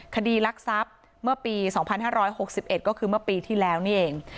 คดีรักทรัพย์เมื่อปี๒๕๖๑ก็คือเมื่อปีที่แล้วนี่เอง